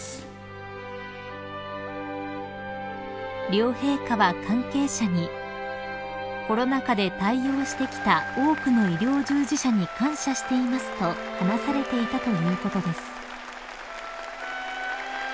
［両陛下は関係者に「コロナ禍で対応してきた多くの医療従事者に感謝しています」と話されていたということです］